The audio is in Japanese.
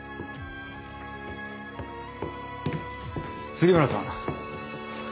杉村さん。